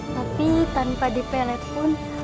tapi tanpa dipelet pun